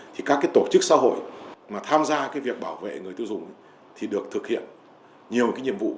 thì các tổ chức xã hội mà tham gia việc bảo vệ người tiêu dùng thì được thực hiện nhiều nhiệm vụ